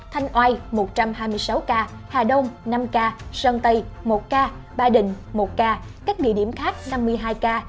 thanh oai một trăm hai mươi sáu ca hà đông năm ca sơn tây một ca ba đình một ca các địa điểm khác năm mươi hai ca